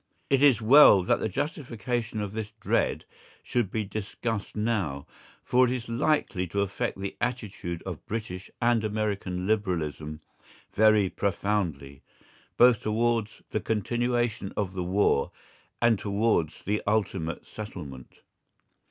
It is well that the justification of this dread should be discussed now, for it is likely to affect the attitude of British and American Liberalism very profoundly, both towards the continuation of the war and towards the ultimate settlement.